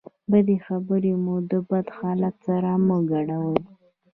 بدې خبرې مو د بد حالت سره مه ګډوئ.